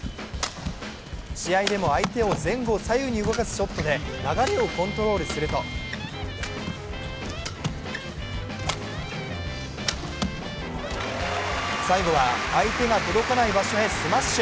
試合でも相手を前後左右に動かすショットで流れをコントロールすると最後は相手が届かない場所へスマッシュ。